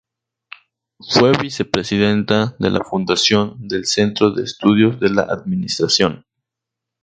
Fue vicepresidenta de la Fundación del Centro de Estudios de la Administración.